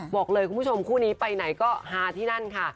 บอกเลยคุณผู้ชมคู่นี้ไปไหนก็ฮาที่นั่นค่ะ